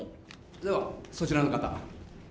ではそちらの方。